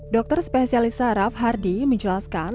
dokter spesialis sarah f hardy menjelaskan